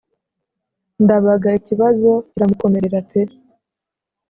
Ndabaga ikibazo kiramukomerera pe!